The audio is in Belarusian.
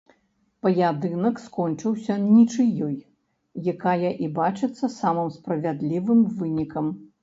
Паядынак скончыўся нічыёй, якая і бачыцца самым справядлівым вынікам.